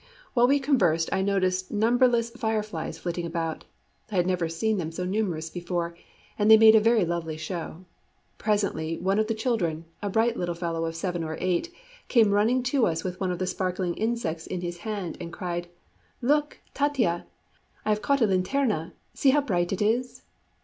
While we conversed I noticed numberless fireflies flitting about; I had never seen them so numerous before, and they made a very lovely show. Presently one of the children, a bright little fellow of seven or eight, came running to us with one of the sparkling insects in his hand, and cried: "Look, tatita, I have caught a linterna. See how bright it is!"